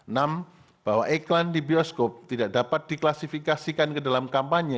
enam bahwa iklan di bioskop tidak dapat diklasifikasikan ke dalam kampanye